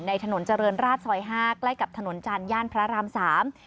ถนนเจริญราชซอยห้าใกล้กับถนนจันทร์ย่านพระรามสาม